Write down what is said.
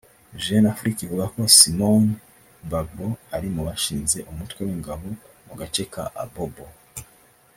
Jeune Afrique ivuga ko Simone Gbagbo ari mu bashinze umutwe w’ingabo mu gace ka Abobo